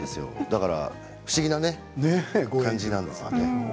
だから不思議な感じなんですね